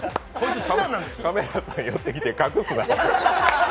カメラさん寄ってきて隠すな！